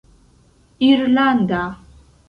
irlanda